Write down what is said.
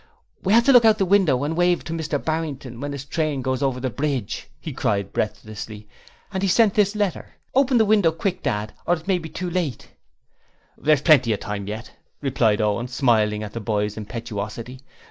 'We have to look out of the window and wave to Mr Barrington when his train goes over the bridge,' he cried breathlessly. 'And he's sent this letter. Open the window, quick, Dad, or it may be too late.' 'There's plenty of time yet,' replied Owen, smiling at the boy's impetuosity.